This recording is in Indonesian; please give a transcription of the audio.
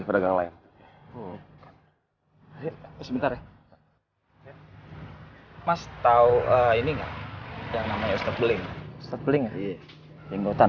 pada gang lain sebentar ya mas tahu ini namanya beling beling orangnya